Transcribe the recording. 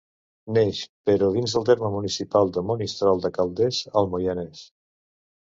Neix, però, dins del terme municipal de Monistrol de Calders, al Moianès.